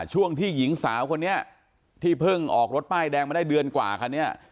ช่วงที่หญิงสาวคนนี้ที่เพิ่งออกรถป้ายแดงมาได้เดือนกว่าคันนี้